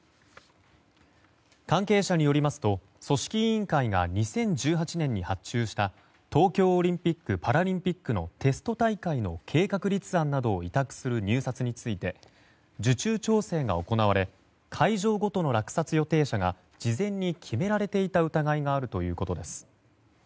関係者によりますと組織委員会が２０１８年に発注した東京オリンピック・パラリンピックのテスト大会の計画・立案などを委託する入札について、受注調整が行われ会場ごとの落札予定者が事前に決められていた疑いがあるということです。